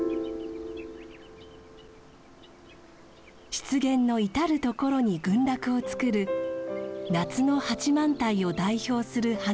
湿原の至る所に群落をつくる夏の八幡平を代表する花です。